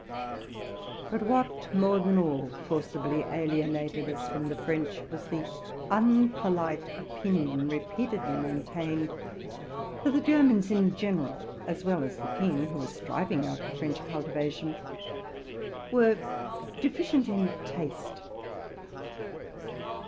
But what, more than all, forcibly alienated us from the French, was the unpolite opinion, repeatedly maintained, that the Germans in general, as well as the king, who was striving after French cultivation, were deficient in taste.